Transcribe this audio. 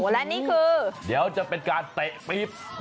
และนี่คือเดี๋ยวจะเป็นการเตะปี๊บ